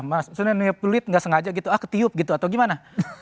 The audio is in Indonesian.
maksudnya peluit nggak sengaja gitu ah ketiup gitu atau gimana